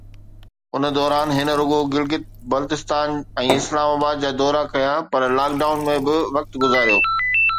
ان دوران هن نه رڳو گلگت، بلستان ۽ اسلام آباد جا دورا ڪيا پر لاڪ ڊائون ۾ به وقت گذاريو.